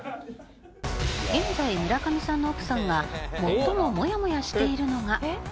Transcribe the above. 現在村上さんの奥さんが最もモヤモヤしているのが。